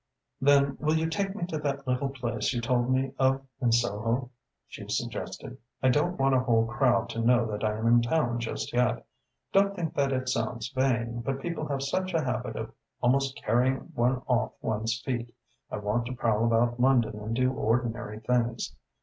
"Then will you take me to that little place you told me of in Soho?" she suggested. "I don't want a whole crowd to know that I am in town just yet. Don't think that it sounds vain, but people have such a habit of almost carrying one off one's feet. I want to prowl about London and do ordinary things.